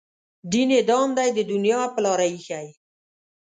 دین یې دام دی د دنیا په لاره ایښی.